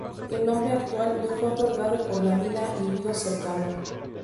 El nombre actual le fue otorgado por la mina y río cercano.